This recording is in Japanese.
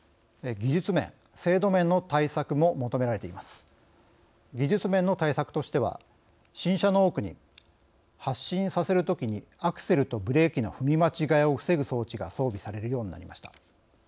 技術面の対策としては新車の多くに発進させるときにアクセルとブレーキの踏み間違いを防ぐ装置が装備されるようになりました。